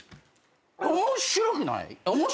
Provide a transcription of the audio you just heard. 面白くない？